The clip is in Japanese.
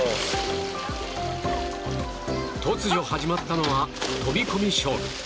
突如始まったのは、飛込勝負。